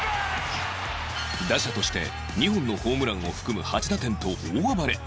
打者として２本のホームランを含む８打点と大暴れ